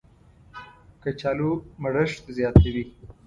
کچالو مړښت زیاتوي